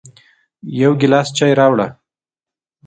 يو ګیلاس چای راوړه